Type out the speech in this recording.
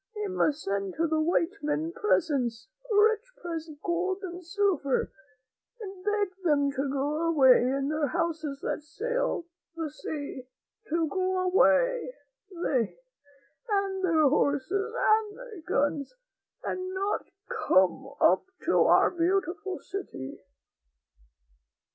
We must send to the white men presents — rich presents of gold and silver, and beg them to go away in their houses that sail the sea — to go away, they, and their horses, and their guns, and not come up to our beautiful city."